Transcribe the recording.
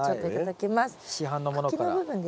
いただきます。